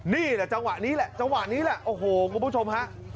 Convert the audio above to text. นี่แหละจังหวะนี้แหละจังหวะนี้แหละโอ้โหคุณผู้ชมฮะ